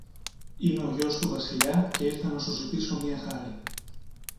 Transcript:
είμαι ο γιος του Βασιλιά και ήρθα να σου ζητήσω μια χάρη.